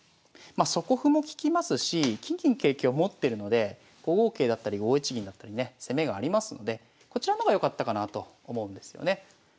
まあ底歩も利きますし金銀桂香持ってるので５五桂だったり５一銀だったりね攻めがありますのでこちらの方が良かったかなと思うんですよね。